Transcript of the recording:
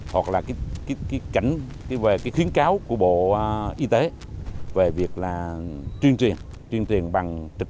hoặc là cảnh về khuyến cáo của bộ y tế về việc truyền truyền bằng trực quan cho du khách